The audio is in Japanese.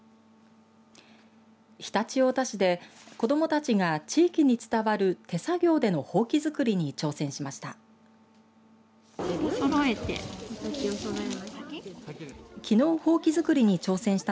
常陸太田市で子どもたちが、地域に伝わる手作業でのほうき作りに挑戦しました。